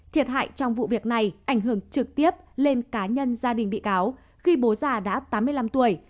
thiệt hại trong vụ việc này ảnh hưởng trực tiếp lên cá nhân gia đình bị cáo khi bố già đã tám mươi năm tuổi